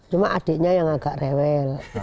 cuma adiknya yang agak rewel